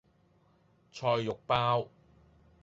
菜肉包